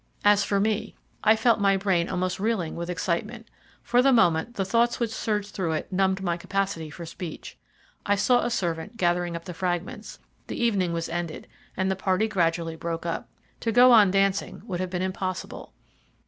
As for me, I felt my brain almost reeling with excitement. For the moment the thoughts which surged through it numbed my capacity for speech. I saw a servant gathering up the fragments. The evening was ended, and the party gradually broke up. To go on dancing would have been impossible.